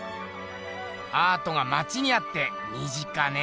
アートがまちにあって身近ねぇ。